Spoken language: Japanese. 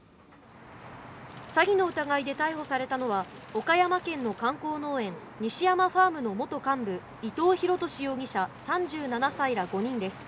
詐欺の疑いで逮捕されたのは、岡山県の観光農園、西山ファームの元幹部伊藤弘敏容疑者３７歳ら５人です。